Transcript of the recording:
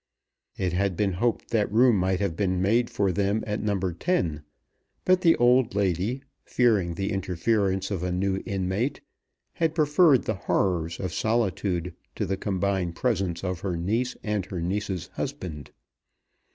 It had been hoped that room might have been made for them at No. 10; but the old lady, fearing the interference of a new inmate, had preferred the horrors of solitude to the combined presence of her niece and her niece's husband.